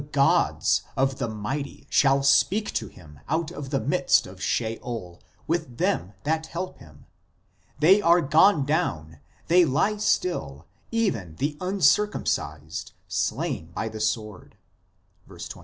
gods) of the mighty shall speak to him out of the midst of Sheol with them that help him ; they are gone down, they lie still, even the uncircumcised, slain by the sword " (verse 21).